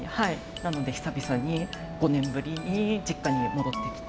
なので久々に５年ぶりに実家に戻ってきて。